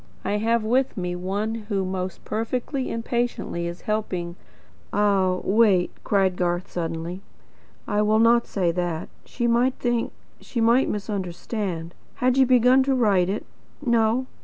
I have with me one who most perfectly and patiently is helping Ah, wait!" cried Garth suddenly. "I will not say that. She might think she might misunderstand. Had you begun to write it? No?